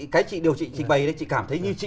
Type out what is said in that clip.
cái điều chị bày đấy chị cảm thấy như chị